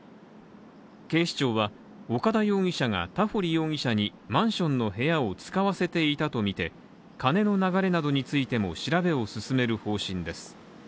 警視庁は、岡田容疑者が田堀容疑者にマンションの部屋を使わせていたとみて、金の流れなどについても調べを進める方針です。